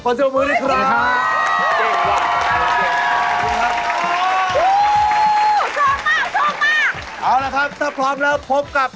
พร้อมแล้วพบเลยครับ